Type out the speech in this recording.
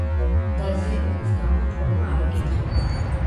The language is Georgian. დაზიანების გამო ფორმა არ იკითხება.